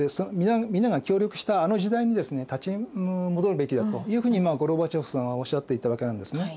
皆が協力したあの時代にですね立ち戻るべきだというふうにゴルバチョフさんはおっしゃっていたわけなんですね。